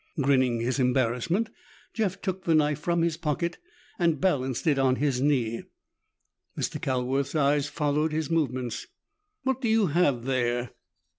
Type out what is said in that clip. Grinning his embarrassment, Jeff took the knife from his pocket and balanced it on his knee. Mr. Calworth's eyes followed his movements. "What do you have there?"